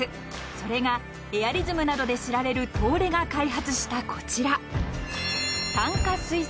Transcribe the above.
［それがエアリズムなどで知られる東レが開発したこちら］